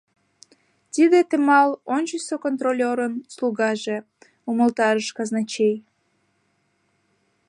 — Тиде Темал, ончычсо контролёрын слугаже, — умылтарыш казначей.